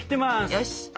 よし！